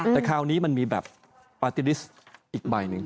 แต่คราวนี้มันมีแบบปาร์ตี้ลิสต์อีกใบหนึ่ง